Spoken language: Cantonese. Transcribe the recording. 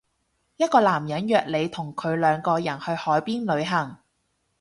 一個男人約你同佢兩個人去海邊旅行